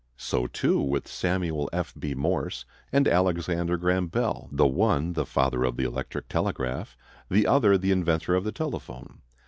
So, too, with Samuel F. B. Morse, and Alexander Graham Bell, the one the father of the electric telegraph, the other the inventor of the telephone.